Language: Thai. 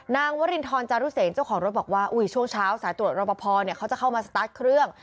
วรินทรจารุเศษเจ้าของรถบอกว่าอุ้ยช่วงเช้าสายตรวจรอปภเขาจะเข้ามาสตาร์ทเครื่อง